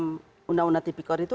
dalam undang undang tipikor itu